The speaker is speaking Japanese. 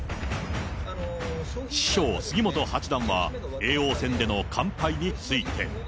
師匠、杉本八段は叡王戦での完敗について。